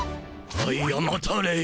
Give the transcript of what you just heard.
あいや待たれい。